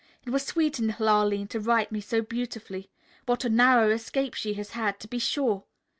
It was sweet in little Arline to write me so beautifully. What a narrow escape she has had, to be sure!